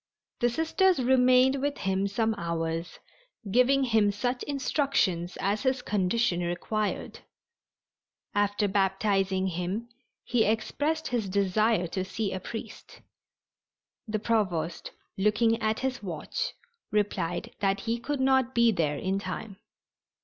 The Sisters remained with him some hours, giving him such instructions as his condition required. After baptizing him he expressed his desire to see a priest. The Provost, looking at his watch, replied that he could not be there in time.